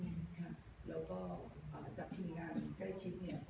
แล้วก็จากทีมงานใกล้ชิดเนี่ย